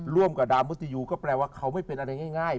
ร่วมกับดาวมุติยูก็แปลว่าเขาไม่เป็นอะไรง่าย